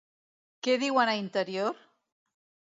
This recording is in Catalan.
Què diuen a Interior?